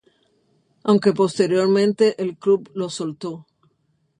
Aunque posteriormente el club lo soltó.